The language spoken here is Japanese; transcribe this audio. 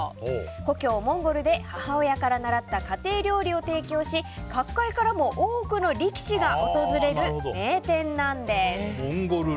故郷モンゴルで母親から習った家庭料理を提供し角界からも多くの力士が訪れる名店なんです。